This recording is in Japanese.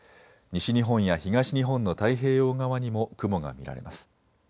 西日本や東日本の太平洋側にも雲が見られます。